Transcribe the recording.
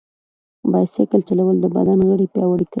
بایسکل چلول د بدن غړي پیاوړي کوي.